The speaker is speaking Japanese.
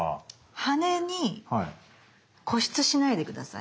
羽に固執しないで下さい。